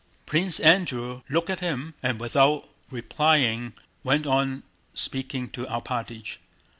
Prince Andrew looked at him and without replying went on speaking to Alpátych.